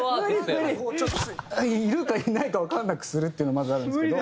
いるかいないかをわからなくするっていうのはまずあるんですけど。